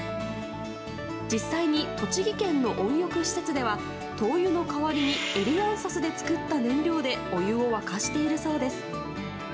実際に栃木県の温浴施設では灯油の代わりにエリアンサスで作った燃料でお湯を沸かしているそうです。